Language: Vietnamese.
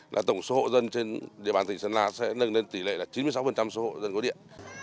là tổng số hộ dân trên địa bàn tỉnh sơn la sẽ nâng lên tỷ lệ là chín mươi sáu số hộ dân có điện